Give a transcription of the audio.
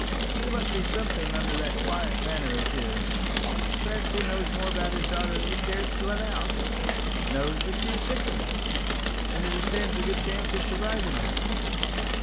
There must be something under that quiet manner of his. Perhaps he knows more about his daughter than he cares to let out; knows that she is sickly, and that he stands a good chance of surviving her."